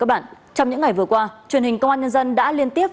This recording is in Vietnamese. ăn sớm lên một tí